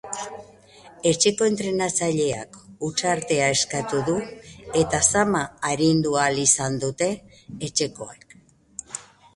Etxeko entrenatzaileak hutsartea eskatu du eta zama arindu ahal izan dute etxekoek.